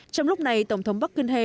trong lúc này tổng thống park geun hye